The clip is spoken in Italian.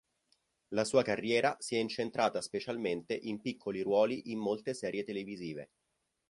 La sua carriera si è incentrata specialmente in piccoli ruoli in molte serie televisive.